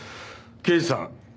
刑事さん